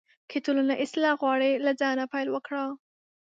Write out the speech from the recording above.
که ټولنه اصلاح غواړې، له ځانه پیل وکړه.